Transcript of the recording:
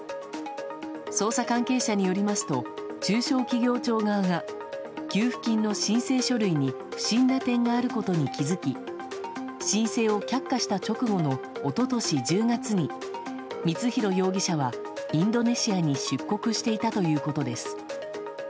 捜査関係者によりますと中小企業庁側が給付金の申請書類に不審な点があることに気づき申請を却下した直後の一昨年１０月に光弘容疑者はインドネシアに出国していたということです。